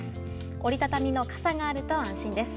折り畳みの傘があると安心です。